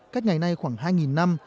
cách ngày nay khoảng hai năm